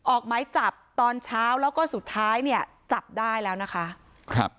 ออกไม้จับตอนเช้าแล้วก็สุดท้ายเนี่ยจับได้แล้วนะคะครับ